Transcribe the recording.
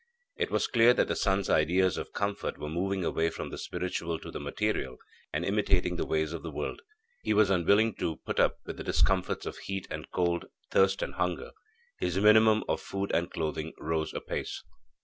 It was clear that the son's ideas of comfort were moving away from the spiritual to the material, and imitating the ways of the world. He was unwilling to put up with the discomforts of heat and cold, thirst and hunger. His minimum of food and clothing rose apace.